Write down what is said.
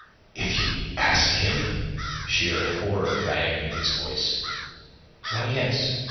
"If you ask him?" Sheer horror rang in his voice. "Why, yes.